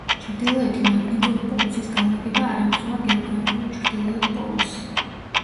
ჩრდილოეთი მაგნიტური პოლუსის განლაგება არ ემთხვევა გეოგრაფიულ ჩრდილოეთ პოლუსს.